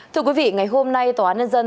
thưa quý vị ngày hôm nay tòa án nhân dân